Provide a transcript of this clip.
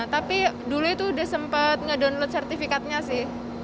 tapi dulu itu sudah sempat ngedownload sertifikatnya sih